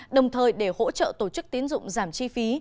đồng thời để hỗ trợ tổ chức tiến dụng giảm chi phí